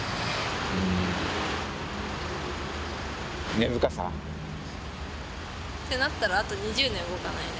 根深さ。ってなったらあと２０年動かないね。